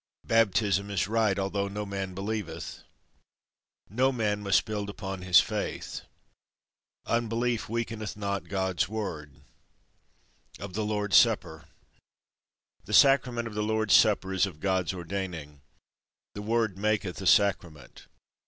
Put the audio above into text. Baptism is right, although no man believeth. No man must build upon his faith. Unbelief weakeneth not God's Word. Of the Lord's Supper. The Sacrament of the Lord's Supper is of God's ordaining. The Word maketh a Sacrament.